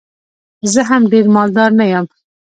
زه هم ډېر مالدار نه یم.